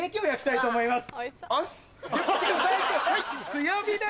強火で！